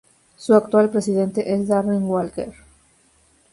Su actual presidente es Darren Walker.